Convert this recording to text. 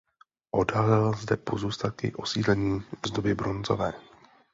Odhalil zde pozůstatky osídlení z doby bronzové.